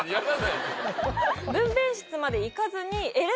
分娩室まで行かずに。